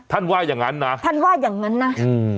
ว่าอย่างงั้นนะท่านว่าอย่างงั้นนะอืม